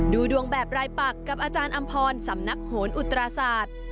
ดูดวงแบบรายปักกับอาจารย์อำพรสำนักโหนอุตราศาสตร์